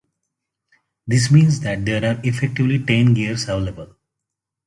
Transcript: This means that there are effectively ten gears available.